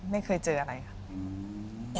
ไม่เคยเจออะไรค่ะ